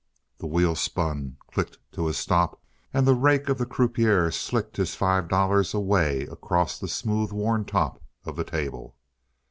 The wheel spun, clicked to a stop, and the rake of the croupier slicked his five dollars away across the smooth worn top of the table.